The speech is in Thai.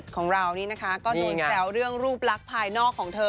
ของเรานี่นะคะก็โดนแซวเรื่องรูปลักษณ์ภายนอกของเธอ